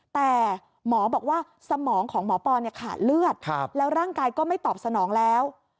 แต่หมอบอกว่าสมองของหมอปอนขาดเลือดแล้วร่างกายก็ไม่ตอบสนองแล้ว